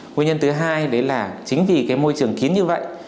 nguyên nhân thứ hai là chính vì môi trường kín như vậy